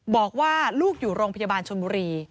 บอกว่าลูกอยู่โรงพยาบาลชนบุรี